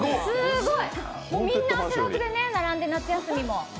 もうみんな汗だくで並んで、夏休みも。